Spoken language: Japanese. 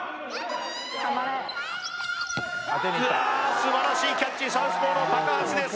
素晴らしいキャッチサウスポーの高橋です